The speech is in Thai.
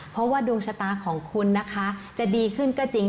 เพราะว่าดวงชะตาของคุณนะคะจะดีขึ้นก็จริง